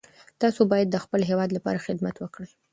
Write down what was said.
تاسو باید د خپل هیواد لپاره خدمت وکړئ.